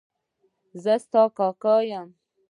زه ستا کاکا یم.